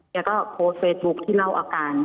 เค้าก็โพสเฟสบุ๊กที่เล่าอาการ